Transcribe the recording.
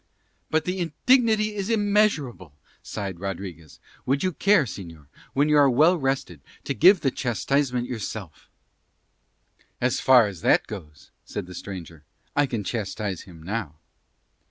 "But the indignity is immeasurable," sighed Rodriguez. "Would you care, señor, when you are well rested to give the chastisement yourself?" "As far as that goes," said the stranger, "I can chastise him now."